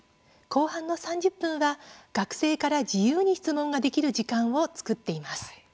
後半の３０分は、学生から自由に質問ができる時間を作っています。